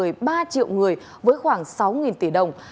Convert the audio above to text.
tổng cộng trên một mươi ba triệu người với khoảng sáu tỷ đồng